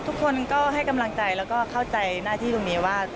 ทุกคนก็ให้กำลังใจแล้วก็เข้าใจหน้าที่ตรงนี้ว่า